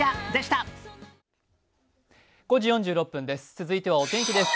続いてはお天気です。